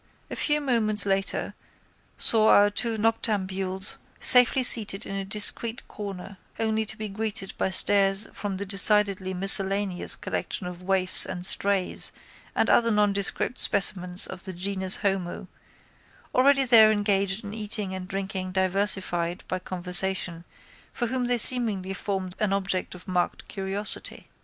A few moments later saw our two noctambules safely seated in a discreet corner only to be greeted by stares from the decidedly miscellaneous collection of waifs and strays and other nondescript specimens of the genus homo already there engaged in eating and drinking diversified by conversation for whom they seemingly formed an object of marked curiosity.